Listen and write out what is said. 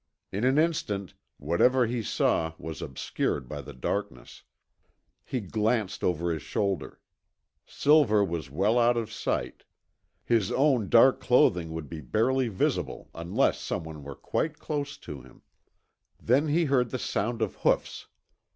In an instant, whatever he saw was obscured by the darkness. He glanced over his shoulder. Silver was well out of sight. His own dark clothing would be barely visible unless someone were quite close to him. Then he heard the sound of hoofs.